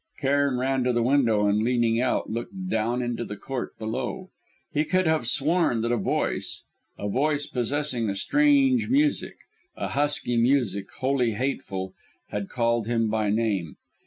Cairn ran to the window, and, leaning out, looked down into the court below. He could have sworn that a voice a voice possessing a strange music, a husky music, wholly hateful had called him by name.